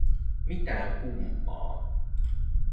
Mitä kummaa?